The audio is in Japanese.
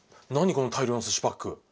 この大量のすしパック。